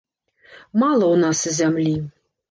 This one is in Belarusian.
Мала ў нас зямлі.